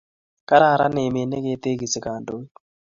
Kararan emet ne ketekisi kandoik